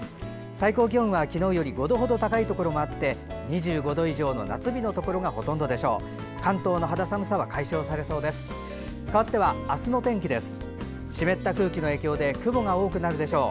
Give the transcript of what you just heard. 最高気温は昨日より５度ほど高いところもあって２５度以上の夏日のところがほとんどでしょう。